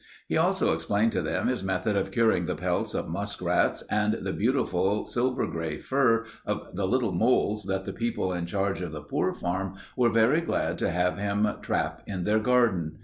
He also explained to them his method of curing the pelts of muskrats and the beautiful silver gray fur of the little moles that the people in charge of the Poor Farm were very glad to have him trap in their garden.